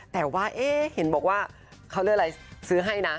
แต่ว่าเห็นบอกว่าเขาเรียกอะไรซื้อให้นะ